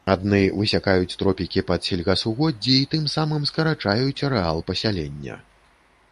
Адны высякаюць тропікі пад сельгасугоддзі і тым самым скарачаюць арэал пасялення.